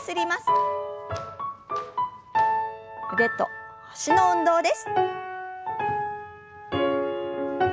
腕と脚の運動です。